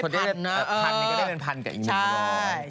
๑๐๐๐ก็ได้เป็น๑๐๐๐กับอีก๑๐๐๐บาท